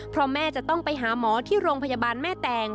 เพราะแม่จะต้องไปหาหมอที่โรงพยาบาลแม่แตง